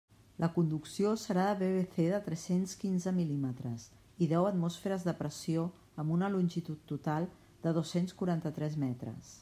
La conducció serà de PVC de tres-cents quinze mil·límetres i deu atmosferes de pressió amb una longitud total de dos-cents quaranta-tres metres.